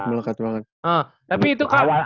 melekat banget melekat banget